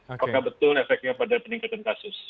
apakah betul efeknya pada peningkatan kasus